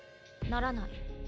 ならない。